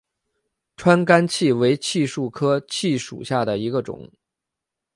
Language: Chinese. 川甘槭为槭树科槭属下的一个种。